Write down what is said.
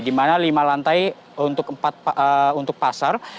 dimana lima lantai untuk pasar